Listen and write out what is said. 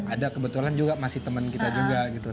ada kebetulan juga masih teman kita juga gitu